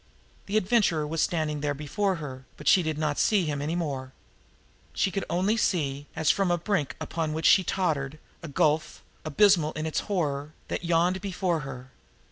The Adventurer was standing there before her, but she did not see him any more; she could only see, as from a brink upon which she tottered, a gulf, abysmal in its horror, that yawned before her.